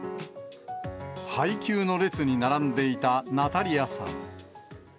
配給の列に並んでいたナタリアさん。